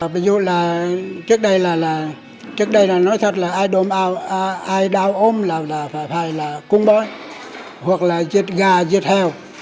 ví dụ là trước đây là nói thật là ai đau ôm là phải cúng bói hoặc là giết gà giết heo